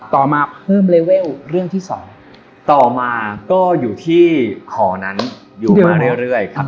ต่อมาเพิ่มเลเวลเรื่องที่สองต่อมาก็อยู่ที่หอนั้นอยู่มาเรื่อยครับ